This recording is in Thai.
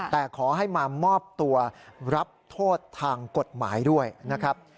แต่ขอให้มามอบตัวรับโทษทางกฎหมายด้วยนะครับ